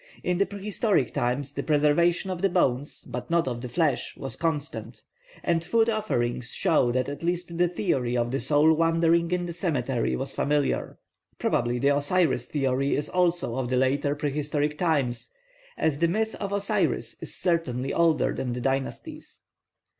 In the prehistoric times the preservation of the bones, but not of the flesh, was constant; and food offerings show that at least the theory of the soul wandering in the cemetery was familiar. Probably the Osiris theory is also of the later prehistoric times, as the myth of Osiris is certainly older than the dynasties.